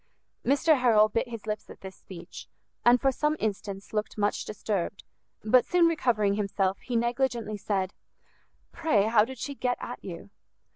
Mr Harrel bit his lips at this speech, and for some instants looked much disturbed; but soon recovering himself, he negligently said, "Pray, how did she get at you?"